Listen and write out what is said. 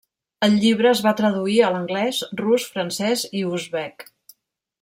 El llibre es va traduir a l'anglès, rus, francès i uzbek.